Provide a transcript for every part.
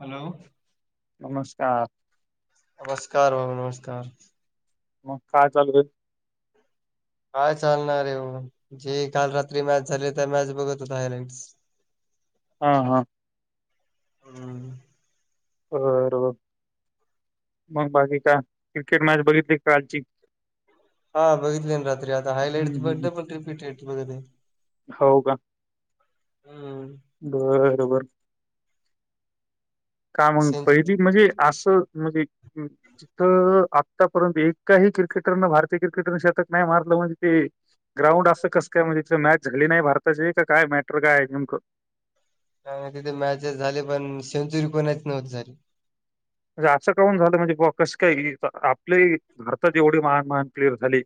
Hello! नमस्कार! नमस्कार बाबू नमस्कार! मग काय चालू हे काय चालणार आहे हो जे काल रात्री मॅच झाली त्या मॅच बघत होताे हायलाईट हा हा हम्म होयर मग बाकी काय क्रिकेट मॅच बघितली कालची हा बघितले ना रात्री आता हं, हायलाईट हं, हं. बघते पण रिपीटट बघत हो हम् बरोबर का म्हग सेंचुरी पहिली म्हणजे असं म्हणजे तर आतापर्यंत एकाही क्रिकेटरन भारतीय क्रिकेटरने शतक नाही मारलं म्हणजे ते ग्राउंड असं कस काय म्हणजे तिथे मॅच झाली नाही भारताची का काय मॅटर काय आहे नेमकं ह तिथे मॅचेस झाले पण सेंचुरी कोणाच नव्हती झाली. म्हणजे असं काून झालं म्हणजे बाे कस काय हि आपली भारतात एवढी महान महान प्लेअर झाली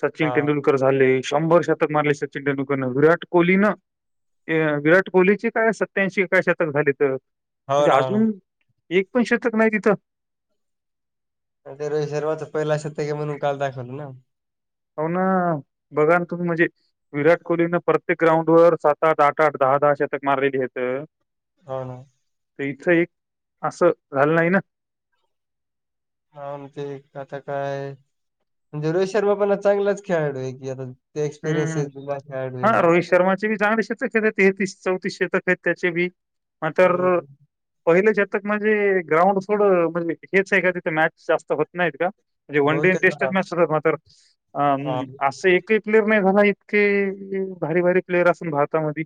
सचिन हा तेंडुलकर झाले शंभर शतक मारले सचिन तेंडुलकरन विराट कोहली न ये विराट कोहलीची काय सत्याऐंशी एकाय शतक झाले तर हो म्हणजे ना हो अजून ना एक पण शतक नाही तिथं अ ते रोहित शर्माचं पहिला शतक आहे म्हणून काल दाखवलं ना हो ना बघा ना तुम्ही म्हणजे विराट कोहलीने प्रत्येक ग्राऊंड वर सात आात आठ आठ दहा दहा शतक मारलेली हेत होना तर इथं एक असं झालं नाही ना? हा मग ते आता काय म्हणजे रोहित शर्मा पण चांगलाच खेळाडू आहे की आता ते हम्म एक्सपिरियन्सतला खेळाडू हा आहे. रोहित शर्माचे चांगले शतक केलेत तेतीस चौतीस शतक आहेत त्याचे बी मात्र हम्म. पहिले शतक म्हणजे ग्राउंड सोड म्हणजे हेच आहे का तिथे मॅच जास्त होत नाहीत का म्हणजे वन डे बहुतेक हा टेस्टच्या मॅच तर मात्र अं हा. असं एक प्लेर नाही झाला इतके भारी भारी प्लेअर असून भारतामधी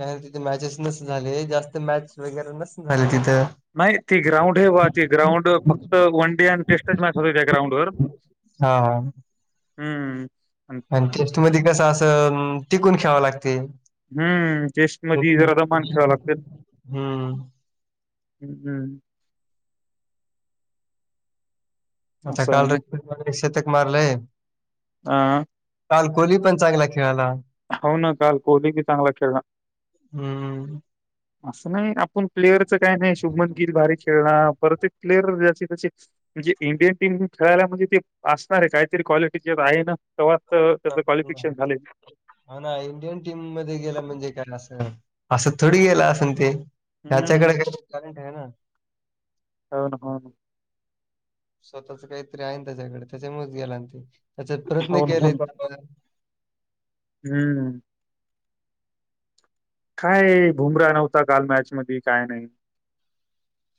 का तिथे मॅचेस नसणा झाले जास्त मॅच वगैरे नसणा झाले तिथं नाही ती ग्राउंड आहे बा ती ग्राउंड फक्त वन डे आणि टेस्टच मॅच होते त्या ग्राउंड वर हाव हम्म अन- आणि टेस्टमध्ये कसं असं टिकून खेळावं लागतंय. हम्म टेस्टमध्ये जरा दमान खेळावं लागतंय हम्म हम्म आता असं आहे काल ना [unintelligible] शतक मारलंय. अ काल कोहली पण चांगला खेळला हो ना काल कोहली बी चांगला खेळला. हम्म असं नाही आपण प्लेयरचं काय नाही शुबमन गिल भारी खेळला परत एक प्लेयर ज्याचे तसे म्हणजे इंडियन टीमहून खेळायला म्हणजे ते असणार आहे काहीतरी क्वालिटी गेम आहे ना? तेव्हा तर त्याचं क्वालिफिकेशन झालंय. हा ना इंडियन टीममध्ये गेला म्हणजे काय असणार आहे. असं थोडी गेलं असण ते हम्म. त्याच्याकडे काही ट्यालेंट आहे ना. हो ना हो ना. स्वतःच काहीतरी आहे ना त्याच्याकडे त्याच्यामुळेच गेला आणखी याच्यात प्रयत्न हो ना, हो केले ना. हम्म काय बुमराह नव्हता काल मॅचमध्ये काय नाही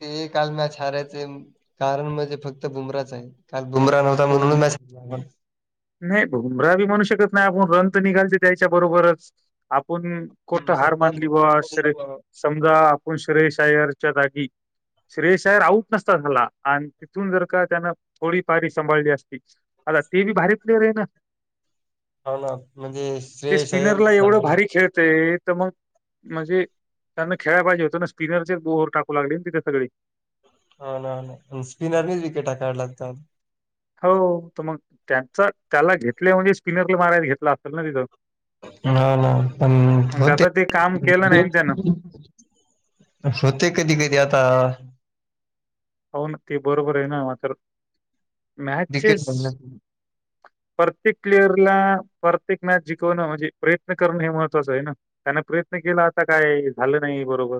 ते काल मॅच हरायचे कारण म्हणजे फक्त बुमराच आहे काल बुमराह नव्ह ता हो ना. म्हणून मॅच [unintelligible] नाही बुमराह बी म्हणू शकत नाही आपण रन तर निघालते त्यांच्या बरोबरच. आपण कोठं हार सत्तार मानली बा श्रे समजा आपण श्रेयस अय्यरच्या जागी श्रेयस अय्यर आऊट नसता झाला आणि तिथून जर का त्यानं थोडी पारी सांभाळली असती आता ते बी भारीच प्लेयर आहे ना? हो ना म्हणजे ते श्रेयस अय्यर स्पिनरला बी झाला. एवढं हो भारी खेळतंय तर मग म्हणजे त्यानं खेळाय पाहिजे होतं ना स्पिनरचे ओव्हर टाकू लागली तिथे सगळी. हां ना हां ना आणि स्पिनरनीच विकेटा काढल्यात काल. हो तर मग त्यांचा त्याला घेतलंय म्हणजे स्पिनरला मारायला घेतलं असल ना तिथं. हां ना पण मग म ते त्याचा काम केलं नाही ना त्यानं [unintelligible] होते कधी कधी आता. हो ना ते बरोबर आहे ना मातर मॅचेस विकेट प्रत्येक प्लेअरला प्रत्येक मॅच जिकवणं म्हणजे प्रयत्न करणं हे महत्त्वाचं आहे ना? त्यान प्रयत्न केलं आता काय झालं नाही बरोबर.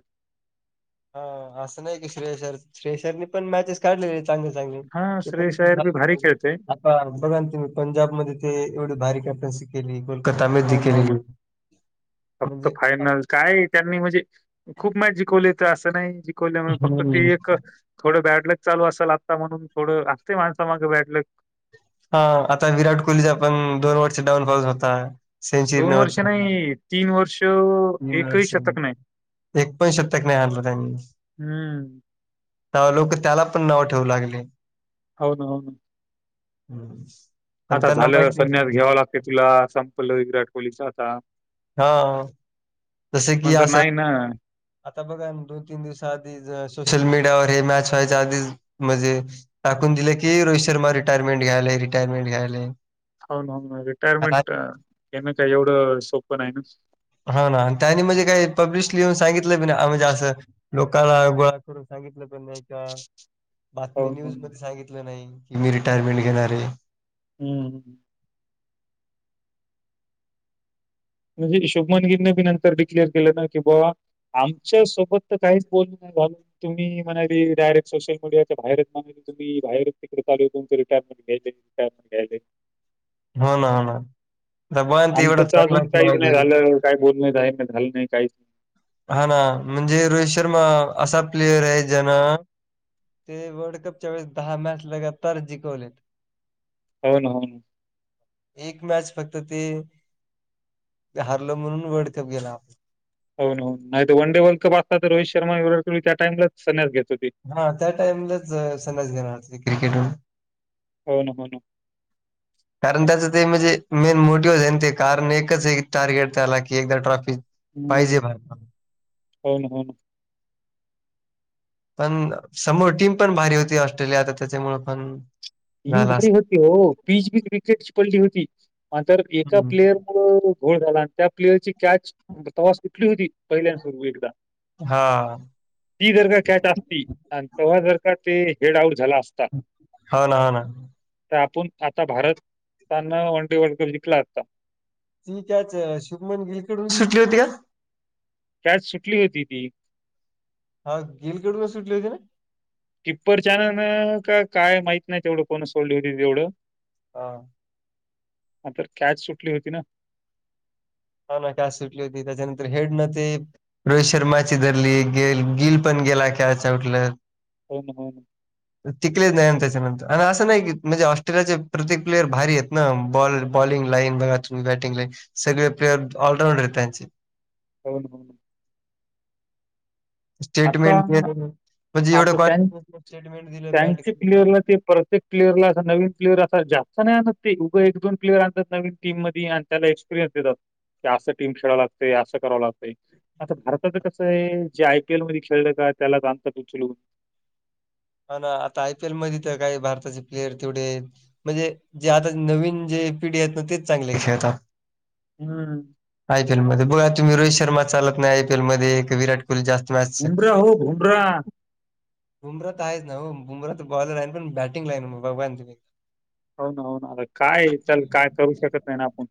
हां असं नाही की श्रेयस अय्यर श्रेयस अय्यरने पण मॅचेस काढलेले आहेत. चांगले चांगले हां, ते श्रेयस पण [unintelligible] अय्यर बी भारी खेळतोय. हां बघा ना तुम्ही पंजाबमध्ये ते एवढी भारी कॅप्टन्सी केली कोलकातामध्ये हो ना, हो ना. केली फक्त म्हणजे फायनल काय त्यांनी म्हणजे खूप मॅच जिकवले तर असं नाही जिकवल्यामुळे फक्त हम्म. ते एक थोडं बॅडलग चालू असल आता म्हणून थोडं असतेय माणसा मागं बॅडलग. हा आता विराट कोहलीचा पण दोन वर्ष डाऊन फॉल होता. सेंचुरी वर्ष नाही वर्ष [unintelligible] तीन एकही वर्षांनी. शतक नाही. एक पण शतक नाही हाणला त्यांनी. हम्म. तवा लोकं त्याला पण नाव ठेवू लागले. हो ना हो ना. हम्म. आता झालं संन्यास घ्यावा लागतं तुला संपलं विराट कोहलीचं आता. हा जस की नंतर असं नाही ना. आता बघा त दोन तीन दिवसा आधी सोशल मीडियावर हे मॅच व्हायचे आधीच म्हणजे टाकून दिलं की रोहित शर्मा रिटायरमेंट्याय रिटायरमें घ्याय हो ना ना रिटायरमेंट येणं का एवढं सोपं आहे ना हा ना त्यांनी म्हणजे काही पब्लिश लिऊन सांगितलं बी म्हणजे असं लोकांना गोळा करून सांगितलं पण नाही का हो बातमी ना, न्यूज हो मध्ये ना. सांगितलं नाही की मी रिटायरमेंट घेणार आहे हम्म म्हणजे हिशोमनगिरने बी नंतर डिक्लेअर केलं ना की बाबा आमच्या सोबत तर काहीच बोल नाही घलून तुम्ही म्हणाली डायरेक्ट सोशल मीडियाच्या बाहेरच म्हणा तुम्ही बाहेर तिकडे ल रिटायमेंट रिटयरमेट घ्यायले हो ना हो ना तर ब त एवढं चगला काय बोलण नाही आहे मी झालं नाही काही हा ना म्हणजे रोहित शर्मा असा प्लेयर आहे ज्याना ते वर्ल्ड कपच्या वेळेस दहा मॅच लगत तरार जिकवलेत हो ना हो ना एक मॅच फक्त ते हारलं म्हणून वर्ल्ड कप गेला आपण होन नाही वन डे वर्ल्ड कप असला तर रोहित शर्मा त्या टामलाच संन्यास घेत होती हा त्या टाइमलाच संन्यास घेणारते क्रिकेट हो ना हो ना कारण त्याच ते म्हणजे मेन मोटिव्हज आहे ना ते कारण एकच एक टार्गेट त्याला की एकदा ट्रॉफी हम्म पाहिजे भारताला. हो ना हो ना. पण समोर टीम पण भारी होती ऑस्ट्रेलिया तर त्याच्यामु पण टीम झाला भारी असं. होती हो पीच बी विकेटची पडली होती मंत एका हम्म. प्लेयर मु गोळ झाला आणि त्या प्लेयर ची कॅच तवास कुठली होती पहिल्यांद सुरू एकदा हा ती जर का कॅट असती आणि तेव्हा जर का ते हेड आउट झाला असता. हा ना ह ना. तर आपण आता भारतना वन डे वर्ल्ड कप जिंकला असता. ती कायच शुभमन गिलकडून सुटली होती का? कॅच सुटली होती ती हा गिल काडू का सुट होती ना. किप्पर न का काय माहत नाही तेवढं कोण सोडली होती तेवढं. ह. आ तर कॅच सुटली होती ना. हा ना कास सुटली होती त्याच्यानंतर हेड न ते रोहित शर्माची धरली गे गिल पण गेला खेळाच उठलं. होन होन. तिकलेच नाही त्याच्यानंतर आणि असं नाही की म्हणजे ऑस्ट्रेलियाचे प्रत्येक प्लेयर भारी आहेत ना बॉल बॉलिंग लाईन बघा तुम्ही बॅटिंग लाईन सगळे प्लेअर ऑलराऊंडर आहेत त्यांचे होन हो. आता स्टेटमेंट म्हणजे एवढं कॉन्फिडन्स स्टेटमेंट दिलं त्यांचे पॅन्ट प्लेयरला ते परत प्रत्येक प्लेअरला अस नवीन प्लेअर असा जास्त नाही आणत ते उगं एक दोन प्लेयर आणतात नवीन टीम मध्ये आणि त्याला अस टीम खेळा लागते असं कराव लाग आता भारताच कस आहे. [unintelligible] खेळलं काय त्याला जाणतात उचलू. हा ना आता आयपीएल मध्ये तर काही भारताचे प्लेयर तेवढे म्हणजे जे आता नवीन जे पिढी आहेत ना तेच चांगले खेळतात. हं. आयपीएल मध्ये बघा तुम्ही रोहित शर्मा चालत नाही आयपीएल मध्ये विराट ु जास्त मॅच बुमराह हो बुमराह. बुमराात आहेच ना बुमराात बॉलर आहे पण बॅटिंग लाई ना मग बघवान तु हो ना हो ना काय चल काय करू शकत नाही ना आपण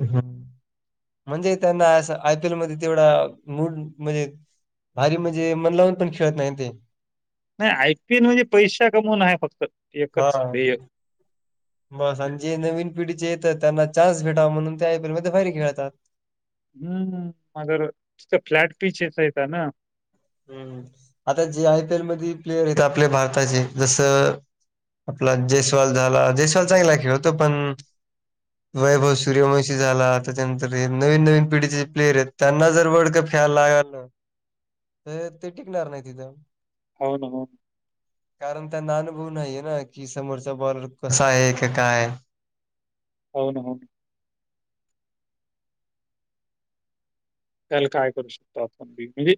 ह म्हणजे त्यांना असं आयपी एल मध्ये तेवढा मूड म्हणजे अरे म्हणजे मन लावून पण खेळत नाही ते नाही आयपीएन म्हणजे पैसा कमवण आहे फक्त एकच ध्येय म आता जे नवीन पिढीचे येतात त्यांना चान्स भेटावा म्हणून ते आयपी एल मध्ये बाहेर खेळतात. हम्म मगर फ्लॅट [unintelligible] फीचर्स यता ना. हम् आता जे आयपी एल मध्ये प्लेयर आहेत आपल्या भारताचे जसं. आपला जयस्वाल झाला जयस्वाल चांगला खेळतो पण [unintelligible] वैभव सूर्यवंशी झाला त्याच्यानंतर हे नवीन नवीन पिढीचे जे प्लेयर आहेत त्यांना जर वर्ल्ड कप खेळाला. तर ते टिकणार नाही तिथं. होन हो. कारण त्याना अनुभऊ नाहीये ना की समोरचा बॉलर कसा आहे का काय? होन भाऊ. त्याला काय करू शकतो आप आपण बी म्हंजे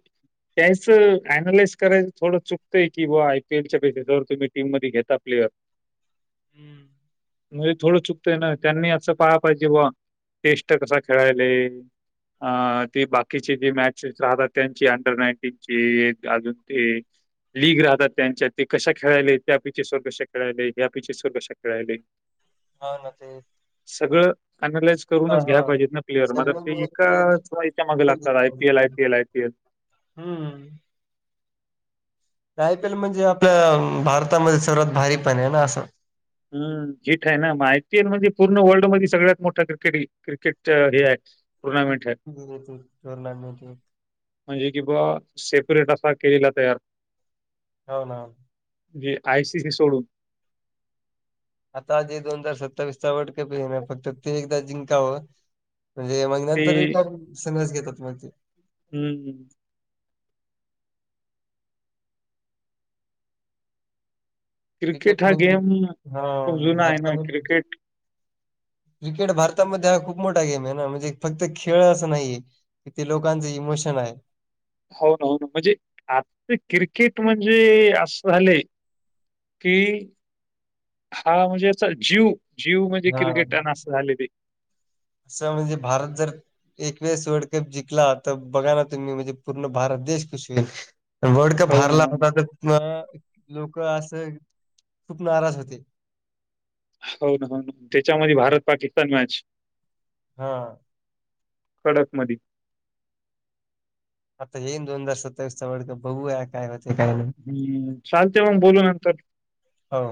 त्याच अनालाइस करायच थोडं चुकंय की बुवा आयपीएलच्या बेसिस वर तुम्ही टीम मध्ये घेता प्लेअर [unintelligible] हम्म. म्हणजे थोडं चुकतंय ना त्यांनी असं पाहा पाहिजे बुवा टेस्ट कसा खेळायले. आ. ती बाकीची जी मॅचेस राहतात त्यांची अंडर नाईन्टीन ची अजून ते लीग राहतात त्यांच्यात ते कशा खेळायले त्या [unintelligible] खेळायले ह्या पिे [unintelligible] कसा खेळायले हा ना ते सगळं अनलाइज हा करूनच घ्या हा पाहिजेत ना प्लेअर म् सगळं ते मिळून एका म्हणजे ते याच्यामागे लागतात आयपीएल जिंकलं. आयीएल आयपीएल हम्म आयपी एल म्हणजे आपल्या भारतामध्ये सर्वात भारी पण आहे ना असं हम् हीठ आहे ना मग आय पीएल म्हणजे पूर्ण वर्ल्ड मध्ये सगळ्यात मोठा क्रिकेट क्रिकेट हे आहे टुर्नामेंट आहे. [unintelligible] म्हणजे की बुवा सेपरेट असा केलेला तयार होन जे आय सीसी सोडून आता जे दोन हजार सत्तावीस चा वर्ल्ड कप ये ना फक्त ते एकदा जिंकावं म्हणजे मग ते नंतर [unintelligible] घेतात मग ते हम्म क्रिकेट हा गेम खूप हां. जुना आहे ना भारतामध्ये क्रिकेट क्रिकेट भारतामध्ये हा खूप मोठा गेम आहे ना म्हणजे फक्त खेळ असं नाहीये किती लोकांच इमोशन आहे हो ना हो ना म्हणजे आजच क्रिकेट म्हणजे असं झालंय कि हा म्हणजे अस जीव जीव म्हणजे हां. क्रिकेट अन् अस झाले ते असं म्हणजे भारत जर एकवेस वर्ल्ड कप जिंला तर बघा ना तुम्ही म्हणजे पूर्ण भारत देश कुशी होईल वर्ल्ड कप हो ना, हारला हो ना. होता तर लोक असं खूप नाराज होते हो ना हो त्याच्यामध्ये भारत पाकिस्तान मॅच हा कडक मध आत्ता हे दोन हजार सत्तावीस चा वल्ड कप बघुया काय [unintelligible] काय हम्म चालते मग बोलू नंतर हो